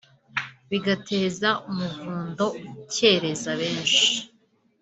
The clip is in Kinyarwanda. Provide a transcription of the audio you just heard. bigateza umuvundo ukereza benshi